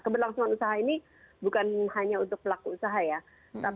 keberlangsungan usaha ini bukan hanya untuk pelaku usaha ya